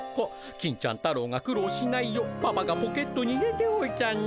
金ちゃん太郎が苦労しないようパパがポケットに入れておいたんだ。